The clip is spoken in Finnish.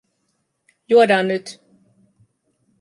Juodaan nyt.